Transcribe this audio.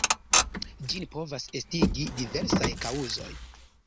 Ĝin povas estigi diversaj kaŭzoj.